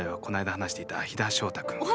この間話していた陽田翔太君。